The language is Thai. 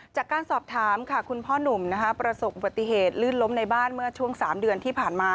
จากการสอบถามค่ะคุณพ่อหนุ่มประสบอุบัติเหตุลื่นล้มในบ้านเมื่อช่วง๓เดือนที่ผ่านมา